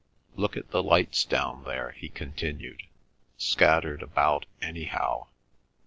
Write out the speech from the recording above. —Look at the lights down there," he continued, "scattered about anyhow.